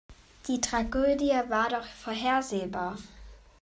Die Tragödie war doch vorhersehbar.